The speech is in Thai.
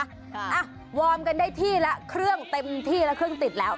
อ่ะวอร์มกันได้ที่แล้วเครื่องเต็มที่แล้วเครื่องติดแล้ว